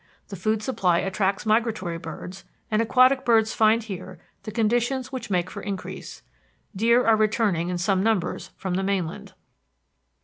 The food supply attracts migratory birds, and aquatic birds find here the conditions which make for increase. Deer are returning in some numbers from the mainland.